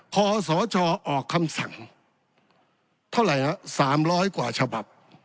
คศออกคำสั่งเท่าไหร่๓๐๐กว่าฉบับ